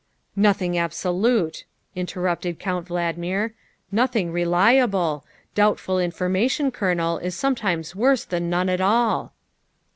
" Nothing absolute," interrupted Count Valdmir, " nothing reliable. Doubtful information, Colonel, is sometimes worse than none at all."